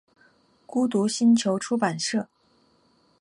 孤独星球出版社创立。